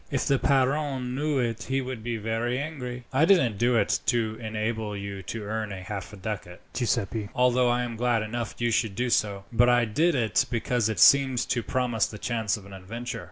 If the padrone knew it he would be very angry." "I didn't do it to enable you to earn half a ducat, Giuseppi, although I am glad enough you should do so; but I did it because it seemed to promise the chance of an adventure.